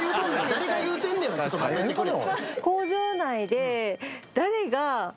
誰が言うてんねんはちょっと待っといてくれよ